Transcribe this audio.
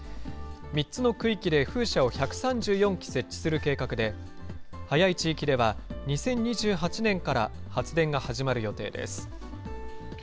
３つの区域で風車を１３４基設置する計画で、早い地域では２０２８年から発電が始まる予定です。